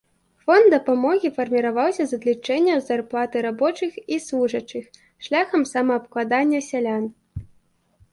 Фонд дапамогі фарміраваўся з адлічэнняў з зарплаты рабочых і служачых, шляхам самаабкладання сялян.